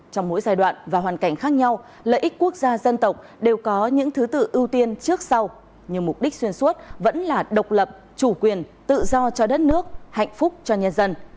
trong mỗi giai đoạn và hoàn cảnh khác nhau lợi ích quốc gia dân tộc đều có những thứ tự ưu tiên trước sau nhưng mục đích xuyên suốt vẫn là độc lập chủ quyền tự do cho đất nước hạnh phúc cho nhân dân